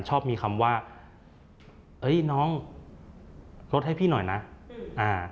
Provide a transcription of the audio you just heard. ชอบมีคำว่าน้องรถให้พี่หน่อยนะ